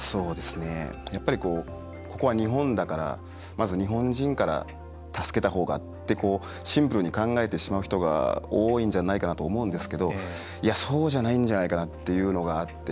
やっぱりここは日本だからまず日本人から助けたほうがってシンプルに考えてしまう人が多いんじゃないかなと思うんですけどいや、そうじゃないんじゃないかなっていうのがあって。